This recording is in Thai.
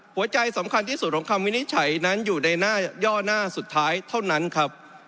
หัวใจสำคัญที่สุดของคำวินิจฉัยนั้นอยู่ในหน้าย่อหน้าสุดท้ายเท่านั้นครับ